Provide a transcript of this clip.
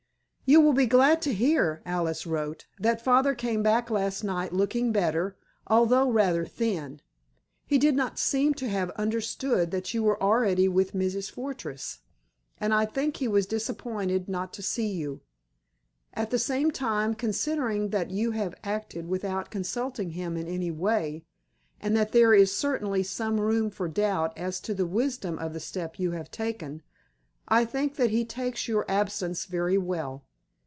"You will be glad to hear," Alice wrote, "that father came back last night looking better, although rather thin. He did not seem to have understood that you were already with Mrs. Fortress, and I think he was disappointed not to see you. At the same time, considering that you have acted without consulting him in any way, and that there is certainly some room for doubt as to the wisdom of the step you have taken, I think that he takes your absence very well.